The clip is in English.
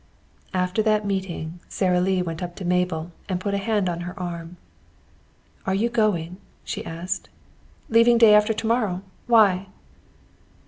After the meeting Sara Lee went up to Mabel and put a hand on her arm. "Are you going?" she asked. "Leaving day after to morrow. Why?"